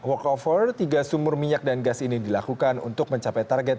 work over tiga sumur minyak dan gas ini dilakukan untuk mencapai target